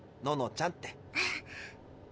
「ノノちゃん」って。